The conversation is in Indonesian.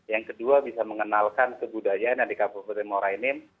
yang kedua bisa mengenalkan kebudayaan yang dikapal di morainim